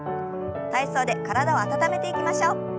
体操で体を温めていきましょう。